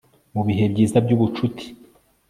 Mubihe byiza byubucuti